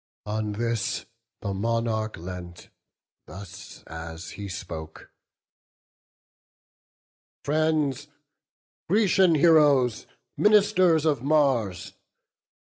On this the monarch leant, as thus he spoke: "Friends, Grecian Heroes, Ministers of Mars!